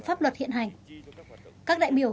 pháp luật hiện hành các đại biểu